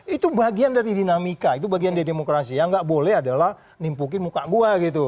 itu bagian dari dinamika itu bagian dari demokrasi yang nggak boleh adalah nimpukin muka gue gitu